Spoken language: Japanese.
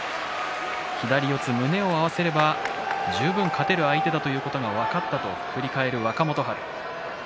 左四つ胸を合わせれば十分勝てる相手だということが分かったと振り返る若元春です。